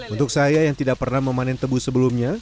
untuk saya yang tidak pernah memanen tebu sebelumnya